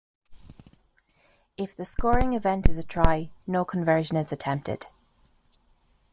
If the scoring event is a try, no conversion is attempted.